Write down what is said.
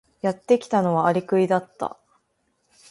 やってきたのはアリクイだった。